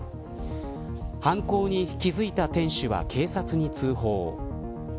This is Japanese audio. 犯行に気付いた店主は警察に通報。